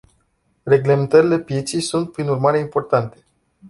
Reglementările pieței sunt, prin urmare, importante.